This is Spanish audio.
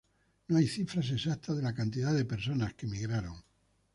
No hay cifras exactas de la cantidad de personas que emigraron.